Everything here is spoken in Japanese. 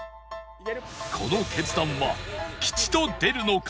この決断は吉と出るのか？